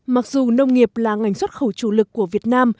mặc dù nông nghiệp là ngành xuất khẩu chủ lực của việt nam